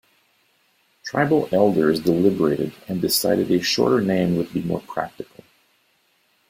Tribal elders deliberated, and decided a shorter name would be more practical.